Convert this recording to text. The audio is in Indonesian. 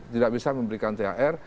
tidak bisa memberikan thr